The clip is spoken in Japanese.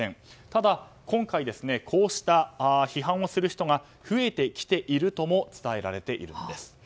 ただ今回、こうした批判をする人が増えてきているとも伝えられているんです。